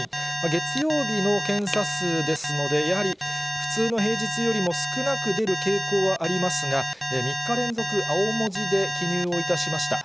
月曜日の検査数ですので、やはり普通の平日よりも少なく出る傾向はありますが、３日連続、青文字で記入をいたしました。